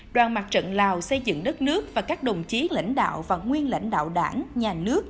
đoàn mặt trận lào xây dựng đất nước và các đồng chí lãnh đạo và nguyên lãnh đạo đảng nhà nước